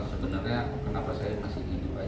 sebenarnya kenapa saya masih ingin